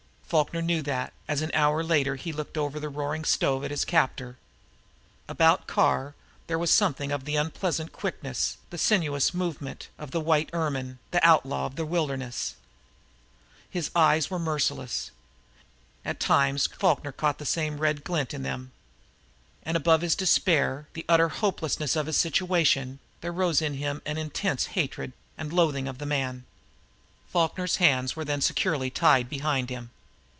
Falkner knew that, as an hour later he looked over the roaring stove at his captor. About Carr there was something of the unpleasant quickness, the sinuous movement, of the little white ermine the outlaw of the wilderness. His eyes were as merciless. At times Falkner caught the same red glint in them. And above his despair, the utter hopelessness of his situation, there rose in him an intense hatred and loathing of the man. Falkner's hands were then securely tied behind him.